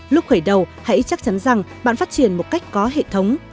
lúc khởi đầu hãy chắc chắn rằng bạn phát triển một cách có hệ thống